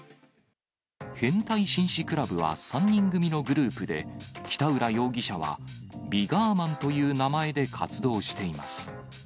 変態紳士クラブは３人組のグループで、北浦容疑者はビガーマンという名前で活動しています。